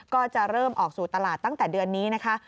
ก็จะเริ่มออกสู่ตลาดตั้งแต่เดือนนี้นะคะ